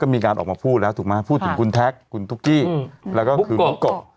มีการออกมาพูดแล้วถูกไหมพูดถึงคุณแท็กคุณตุ๊กกี้แล้วก็คือบุ๊กกบ